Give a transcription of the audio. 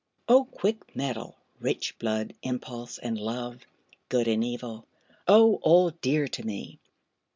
O quick mettle, rich blood, impulse, and love! Good and evil! O all dear to me!